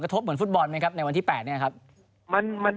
กระทบเหมือนฟุตบอลไหมครับในวันที่แปดเนี่ยครับมันมัน